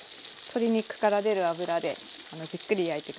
鶏肉から出る脂でじっくり焼いて下さい。